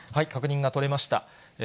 確認が取れました。